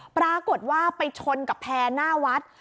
ปรากฏว่าไปชนกับแพร่หน้าวัด